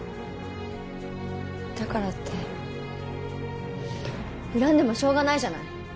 だからって恨んでもしょうがないじゃない。